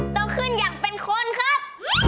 โตขึ้นอย่างเป็นคนครับ